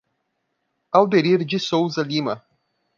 Alderir de Souza Lima